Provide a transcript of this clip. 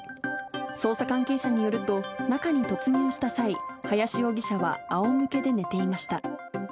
捜査関係者によると、中に突入した際、林容疑者はあおむけで寝ていました。